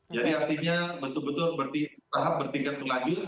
jadi artinya betul betul tahap bertingkat berlanjut